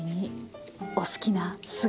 お好きな酢が。